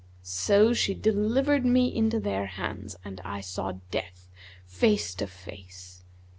So she delivered me into their hands, and I saw death face to face.